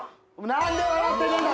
「何で笑ってねえんだ